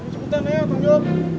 cepetan ya tunggu